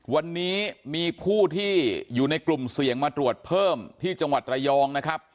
วันนี้มีผู้ที่อยู่ในกลุ่มเสี่ยงมาตรวจเพิ่มที่จังหวัดระยองนะครับ